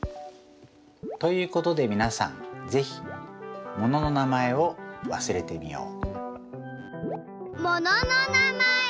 ということでみなさんぜひものの名前を忘れてみよう！